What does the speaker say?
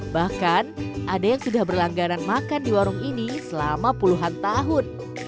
bahkan ada yang sudah berlangganan makan di warung ini selama puluhan tahun